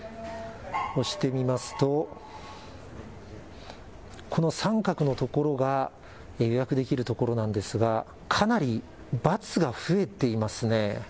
押してみますと、この三角の所が予約できる所なんですがかなり×が増えていますね。